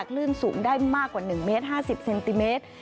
คลื่นสูงได้มากกว่า๑เมตร๕๐เซนติเมตร